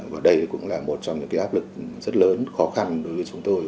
và đây cũng là một trong những cái áp lực rất lớn khó khăn đối với chúng tôi